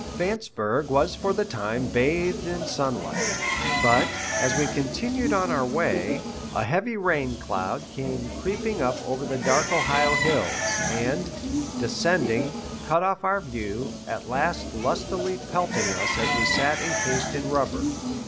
Vanceburgh was for the time bathed in sunlight; but, as we continued on our way, a heavy rain cloud came creeping up over the dark Ohio hills, and, descending, cut off our view, at last lustily pelting us as we sat encased in rubber.